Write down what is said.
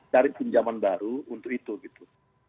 cari pinjaman baru untuk itu gitu